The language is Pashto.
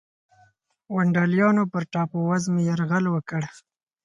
ونډالیانو پر ټاپو وزمې یرغل وکړ.